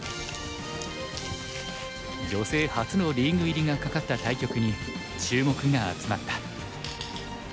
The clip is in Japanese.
女性初のリーグ入りが懸かった対局に注目が集まった。